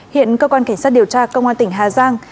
hiện cơ quan cảnh sát điều tra công an tỉnh hà giang